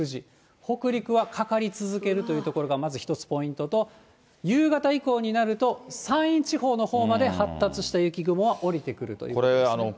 北陸はかかり続けるというところがまず一つポイントと、夕方以降になると、山陰地方のほうまで発達した雪雲は下りてくるということですね。